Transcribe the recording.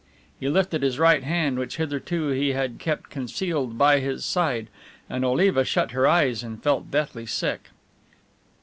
He lifted his right hand, which hitherto he had kept concealed by his side, and Oliva shut her eyes and felt deathly sick.